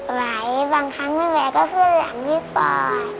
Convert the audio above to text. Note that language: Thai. ไหวบางครั้งไม่ไหวก็ขึ้นหลังพี่ปอย